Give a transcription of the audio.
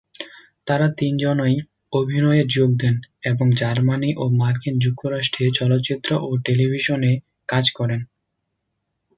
তারা তিনজনই অভিনয়ে যোগ দেন এবং জার্মানি ও মার্কিন যুক্তরাষ্ট্রে চলচ্চিত্র ও টেলিভিশনে কাজ করেন।